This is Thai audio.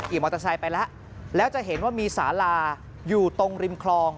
มอเตอร์ไซค์ไปแล้วแล้วจะเห็นว่ามีสาลาอยู่ตรงริมคลอง